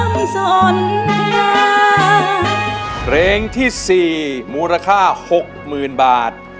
เพลงที่๔มูลค่า๖๐๐๐บาท